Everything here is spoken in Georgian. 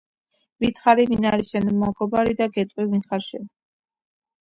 მითხარი ვინ არის შენი მეგობარი და გეტყვი ვინ ხარ შენ